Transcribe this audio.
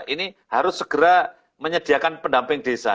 ini harus segera menyediakan pendamping desa